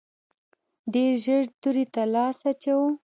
ډېر ژر تورې ته لاس اچوو.